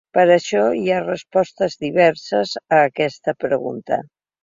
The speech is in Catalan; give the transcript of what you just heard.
Per això hi ha respostes diverses a aquesta pregunta.